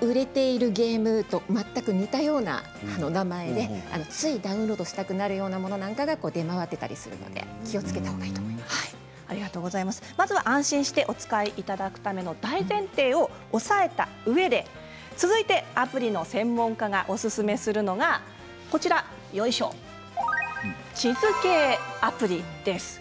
売れているゲームと全く似たような名前で、ついダウンロードしたくなるようなものが出回っていたりするので安心してお使いいただくための大前提を押さえたうえで続いてアプリの専門家がおすすめするのが、地図系アプリです。